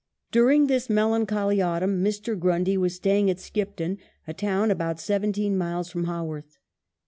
During this melancholy autumn Mr. Grundy was staying at Skipton, a town about seventeen miles from Haworth.